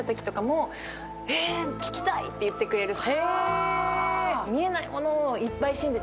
ええっ、聞きたいって言ってくれる人。